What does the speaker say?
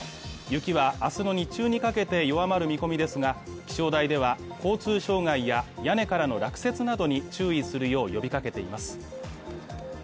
雪は、明日の日中にかけて弱まる見込みですが、気象台では交通障害や屋根からの落雪などに注意するよう呼びかけています。